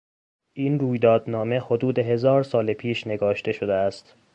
این رویداد نامه حدود هزار سال پیش نگاشته شده است.